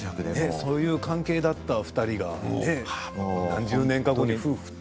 そういう関係だった２人が何十年か後に夫婦って。